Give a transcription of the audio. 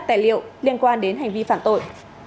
các tài liệu liên quan đến hành vi phản tội